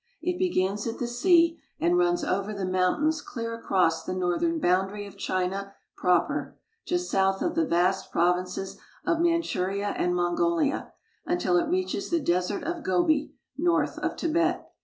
It begins at the sea and rups over the mountains clear across the northern boundary of China proper, just south of the vast provinces of Manchuria and Mongolia, until it reaches the Desert of Gobi, north of Tibet.